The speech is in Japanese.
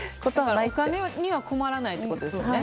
お金には困らないってことですよね。